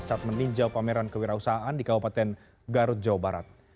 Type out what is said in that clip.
saat meninjau pameran kewirausahaan di kabupaten garut jawa barat